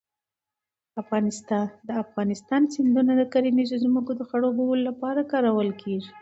د افغانستان سیندونه د کرنیزو ځمکو د خړوبولو لپاره کارول کېږي.